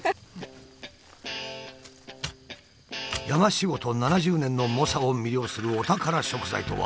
山仕事７０年の猛者を魅了するお宝食材とは。